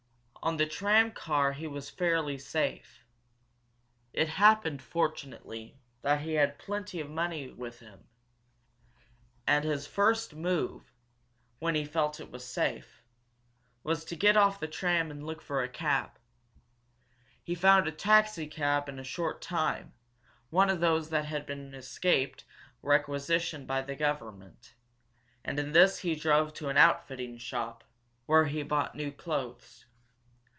On the tram car he was fairly safe. It happened, fortunately, that he had plenty of money with him. And his first move, when he felt it was safe, was to get off the tram and look for a cab. He found a taxicab in a short time, one of those that had escaped requisition by the government, and in this he drove to an outfitting shop, were he bought new clothes.